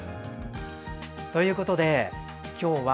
ということで今日は